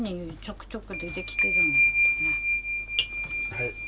はい。